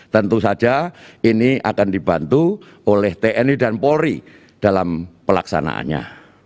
tentu saja ini akan dibantu oleh tni dan polri dalam pelaksanaannya